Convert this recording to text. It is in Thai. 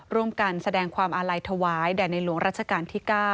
ร่วมกันแสดงความอาลัยถวายแด่ในหลวงรัชกาลที่๙